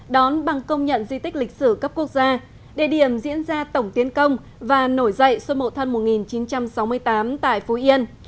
đón bằng công nhận di tích lịch sử cấp quốc gia địa điểm diễn ra tổng tiến công và nổi dậy xuân mậu thân một nghìn chín trăm sáu mươi tám tại phú yên